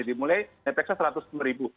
dari mulai nepeksa seratus ribu